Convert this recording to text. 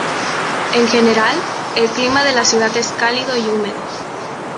En general, el clima de la ciudad es cálido y húmedo.